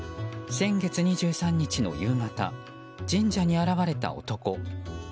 先月２３日の夕方神社に現れた男。